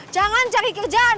jangan cari kerjaan